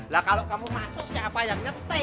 lah kalau kamu masuk siapa yang ngerti